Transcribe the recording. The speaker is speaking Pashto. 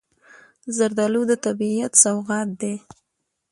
زردالو د طبیعت سوغات دی.